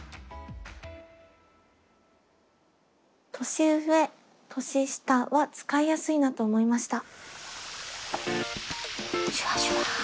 「年上」「年下」は使いやすいなと思いました。